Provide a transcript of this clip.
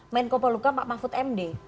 menko poluka pak mahfud md